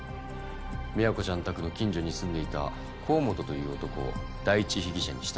宮子ちゃん宅の近所に住んでいた河本という男を第一被疑者に仕立て上げた。